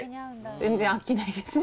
全然飽きないですね。